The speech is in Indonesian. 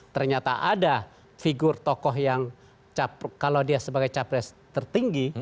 ternyata ada figur tokoh yang kalau dia sebagai capres tertinggi